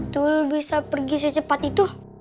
betul bisa pergi secepat itu